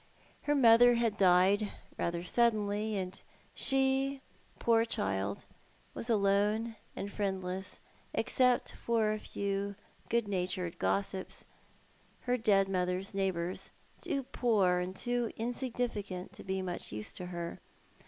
Her mother had died rather suddenly, and she, poor child, was alone, and friendless, except for a few good natured gossips, her dead mother's neighbours, too poor and too insignificant to be of much use to her.